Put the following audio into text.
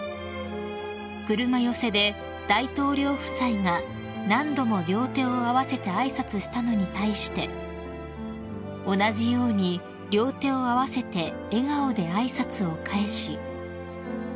［車寄せで大統領夫妻が何度も両手を合わせて挨拶したのに対して同じように両手を合わせて笑顔で挨拶を返し］